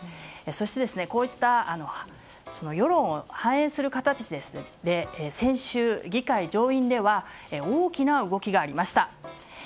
そして、こういった世論を反映する形で先週、議会上院では大きな動きがありました。